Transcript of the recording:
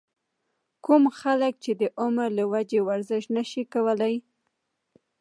کوم خلک چې د عمر له وجې ورزش نشي کولے